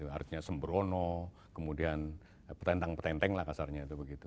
harusnya sembrono kemudian petentang petenteng lah kasarnya